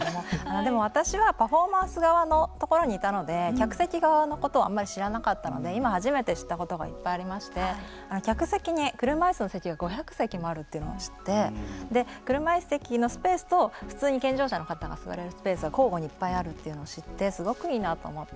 でも私はパフォーマンス側の所にいたので客席側のことはあんまり知らなかったので今初めて知ったことがいっぱいありまして客席に車いすの設置が５００席もあるって知って車いす席のスペースと普通に健常者の方が座れるいすが交互にあるのを知ってすごくいいなと思って。